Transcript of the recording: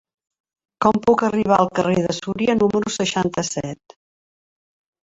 Com puc arribar al carrer de Súria número seixanta-set?